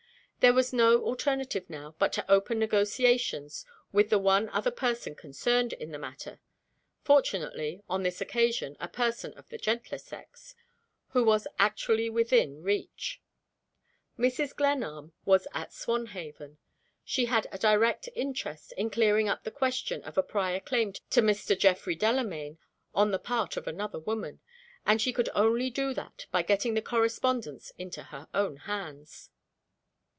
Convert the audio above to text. There was no alternative now but to open negotiations with the one other person concerned in the matter (fortunately, on this occasion, a person of the gentler sex), who was actually within reach. Mrs. Glenarm was at Swanhaven. She had a direct interest in clearing up the question of a prior claim to Mr. Geoffrey Delamayn on the part of another woman. And she could only do that by getting the correspondence into her own hands.